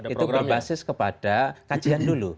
itu berbasis kepada kajian dulu